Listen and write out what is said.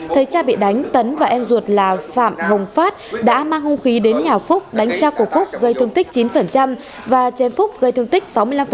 thấy cha bị đánh tấn và em ruột là phạm hồng phát đã mang hung khí đến nhà phúc đánh cha của phúc gây thương tích chín và chém phúc gây thương tích sáu mươi năm